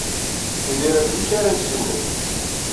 Imir-a d nekk ara yessiwlen.